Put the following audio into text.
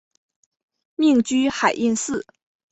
命居海印寺。